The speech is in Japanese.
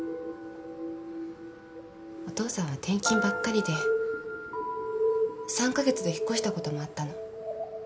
お父さんは転勤ばっかりで３カ月で引っ越したこともあったの。